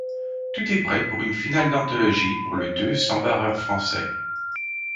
Tout est prêt pour une finale d’anthologie pour le deux sans barreur français.